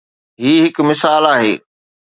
هي هڪ مثال آهي.